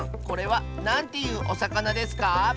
これはなんていうおさかなですか？